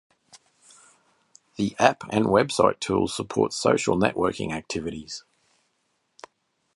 The app and website tools support social networking activities.